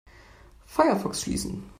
Firefox schließen.